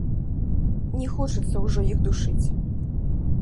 Не хочацца ўжо іх душыць.